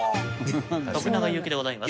徳永ゆうきでございます。